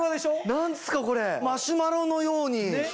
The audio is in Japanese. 何すかこれマシュマロのように。